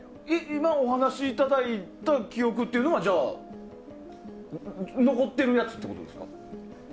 今、お話しいただいた記憶はじゃあ残ってるやつってことですか？